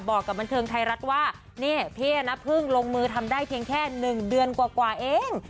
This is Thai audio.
บอกกับบันเทิงไทยรัฐว่านี่พี่นะเพิ่งลงมือทำได้เพียงแค่๑เดือนกว่าเอง